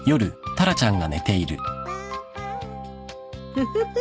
フフフ。